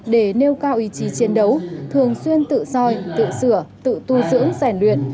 để nêu cao ý chí chiến đấu thường xuyên tự soi tự sửa tự tu dưỡng rèn luyện